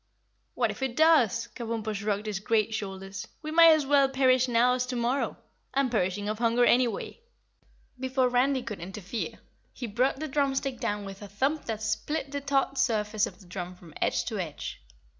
"What if it does?" Kabumpo shrugged his great shoulders. "We may as well perish now as tomorrow. I'm perishing of hunger anyway." Before Randy could interfere, he brought the drumstick down with a thump that split the taut surface of the drum from edge to edge.